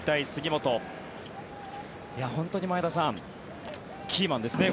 本当に前田さん、キーマンですね